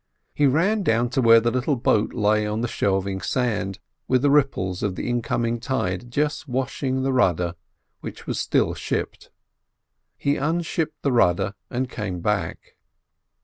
He ran down to where the little boat lay on the shelving sand, with the ripples of the incoming tide just washing the rudder, which was still shipped. He unshipped the rudder and came back.